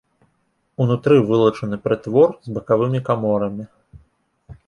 Унутры вылучаны прытвор з бакавымі каморамі.